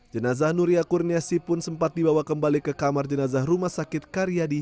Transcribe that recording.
jenazah nuria kurniasi pun sempat dibawa kembali ke kamar jenazah rumah sakit karyadi